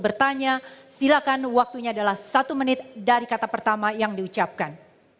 bertanya silakan waktunya adalah satu menit dari kata pertama yang diucapkan